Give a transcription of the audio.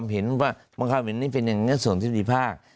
เห็นว่าบังคับเห็นนี่เป็นอย่างนี้ส่งทฤษฎีภาค